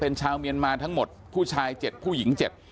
เป็นชาวเมียนมาทั้งหมดผู้ชาย๗ผู้หญิง๗